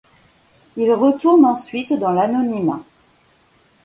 Il retourne ensuite dans l'anonymat.